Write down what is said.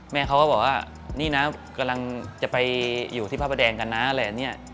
แม่เขาก็บอกว่านี่นะกำลังจะไปอยู่ที่ภาพแดงกันนะ